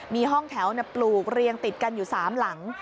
มีห้องแถวปลูกเรียงติดกันอยู่๓หลัง